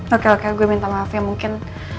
oke oke gue minta maaf ya mungkin